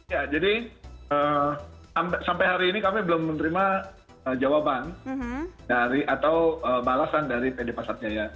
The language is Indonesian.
ya jadi sampai hari ini kami belum menerima jawaban dari atau balasan dari pd pasar jaya